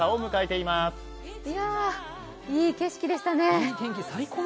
いい景色でしたね。